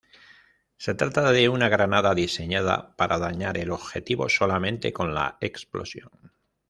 Se trata de una granada diseñada para dañar el objetivo solamente con la explosión.